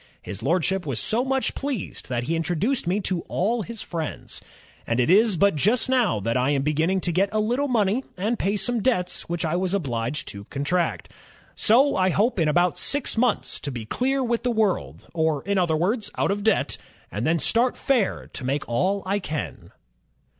. His Lordship was so much pleased that he introduced me to all his friends. A ad it is but just now that I am be ginning to get a little money and pay some debts which I was obliged to contract. So I hope in about six months to be clear with the world, or in other words out of debt, and then start fair to make all I can."